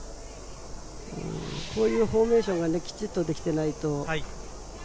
こういうフォーメーションがきちっとできていないと。